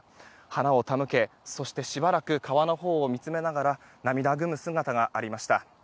花を手向け、そしてしばらく川のほうを見つめながら涙ぐむ姿がありました。